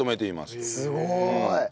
すごーい！